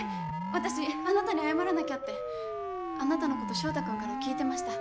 私あなたに謝らなきゃってあなたのこと翔太くんから聞いてました